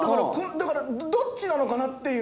だからどっちなのかなっていう。